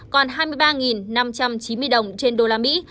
còn hai mươi ba năm trăm chín mươi đồng trên đô la mỹ